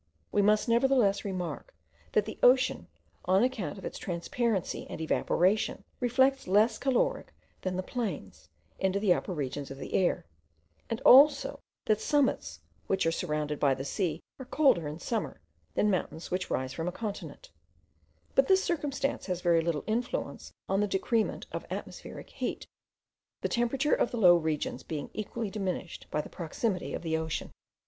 We must nevertheless remark, that the ocean, on account of its transparency and evaporation, reflects less caloric than the plains, into the upper regions of the air; and also that summits which are surrounded by the sea are colder in summer, than mountains which rise from a continent; but this circumstance has very little influence on the decrement of atmospherical heat; the temperature of the low regions being equally diminished by the proximity of the ocean.